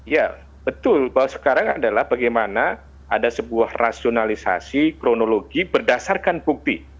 ya betul bahwa sekarang adalah bagaimana ada sebuah rasionalisasi kronologi berdasarkan bukti